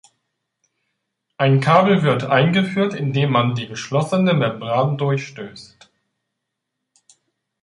Ein Kabel wird eingeführt, indem man die geschlossene Membran durchstößt.